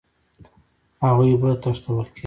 هغوی به تښتول کېده